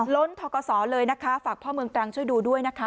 ล้นทกศเลยนะคะฝากพ่อเมืองตรังช่วยดูด้วยนะคะ